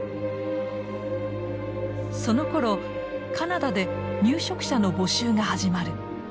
そのころカナダで入植者の募集が始まる。